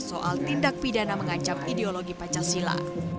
soal tindak pidana mengancam ideologi pancasila